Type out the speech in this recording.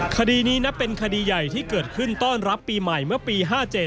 คดีนี้นับเป็นคดีใหญ่ที่เกิดขึ้นต้อนรับปีใหม่เมื่อปี๕๗